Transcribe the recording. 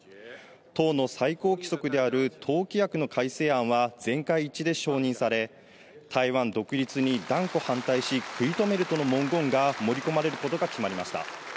党の最高規則である党規約の改正案は、全会一致で承認され、台湾独立に断固反対し、食い止めるとの文言が盛り込まれることが決まりました。